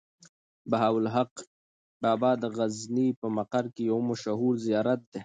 بهاوالحق بابا د غزني په مقر کې يو مشهور زيارت دی.